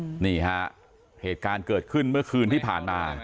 นี่ฮะเหตุการณ์เกิดขึ้นเมื่อคืนที่ผ่านมา